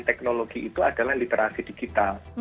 teknologi itu adalah literasi digital